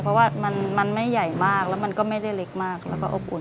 เพราะว่ามันไม่ใหญ่มากแล้วมันก็ไม่ได้เล็กมากแล้วก็อบอุ่น